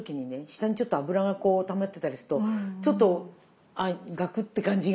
下にちょっと油がこうたまってたりするとちょっとガクッて感じがするんですよね。